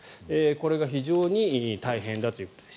これが非常に大変だということです。